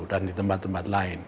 dan di tempat tempat lain